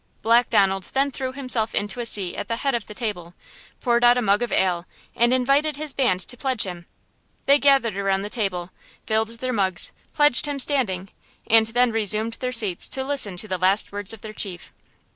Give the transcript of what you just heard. Black Donald then threw himself into a seat at the head of the table, poured out a mug of ale, and invited his band to pledge him. They gathered around the table, filled their mugs, pledged him standing, and then resumed their seats to listen to the last words of their chief.